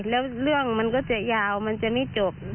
แล้วเรื่องมันก็จะยาวมันจะไม่จบ